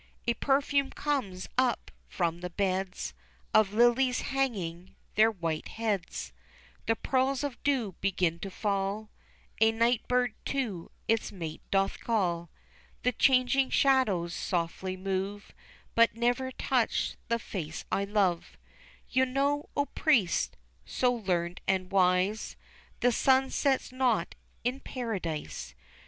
A perfume comes up from the beds Of lilies hanging their white heads, The pearls of dew begin to fall, A night bird to its mate doth call, The changing shadows softly move But never touch the face I love; You know, O Priest, so learned and wise, The sun sets not in Paradise.